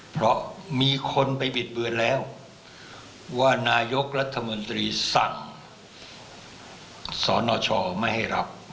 เพราะมีคนไปบิดเบือนแล้วว่านายกรัฐมนตรีสั่งสนชไม่ให้รับ